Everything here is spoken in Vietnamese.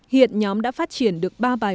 hiện nhóm đã phát triển được ba bài